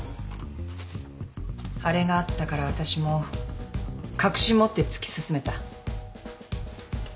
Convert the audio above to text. あれがあったからわたしも確信持って突き進めた。